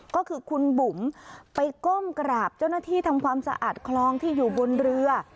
ก็คือคุณบุ๋มไปก้มกราบเจ้าหน้าที่ทำความสะอาดคลองที่อยู่บนเรือ